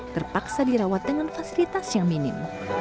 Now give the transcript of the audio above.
terpaksa dirawat dengan fasilitas yang minim